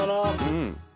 うん。